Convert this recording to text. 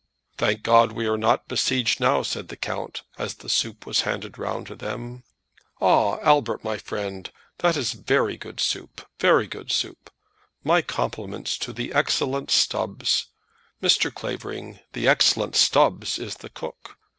"Thank God we are not besieged now," said the count, as the soup was handed round to them. "Ah, Albert, my friend, that is good soup; very good soup. My compliments to the excellent Stubbs. Mr. Clavering, the excellent Stubbs is the cook.